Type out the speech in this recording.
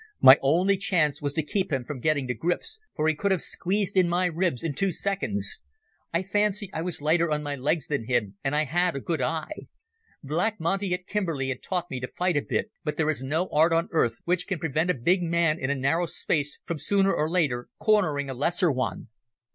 My only chance was to keep him from getting to grips, for he could have squeezed in my ribs in two seconds. I fancied I was lighter on my legs than him, and I had a good eye. Black Monty at Kimberley had taught me to fight a bit, but there is no art on earth which can prevent a big man in a narrow space from sooner or later cornering a lesser one.